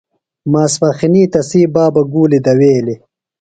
ماسپخِنی تسی بابہ گُولیۡ دویلیۡ۔